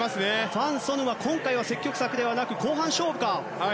ファン・ソヌは今回は積極策ではなく後半勝負か。